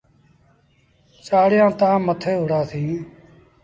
چآڙيآن تآن مٿي وُهڙآ سيٚݩ۔